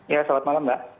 ya selamat malam mbak